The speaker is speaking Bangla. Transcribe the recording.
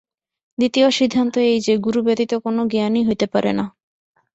দ্বিতীয় সিদ্ধান্ত এই যে, গুরু ব্যতীত কোন জ্ঞানই হইতে পারে না।